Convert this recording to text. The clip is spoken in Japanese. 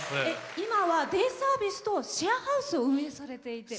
今はデイサービスとシェアハウスを運営されていて。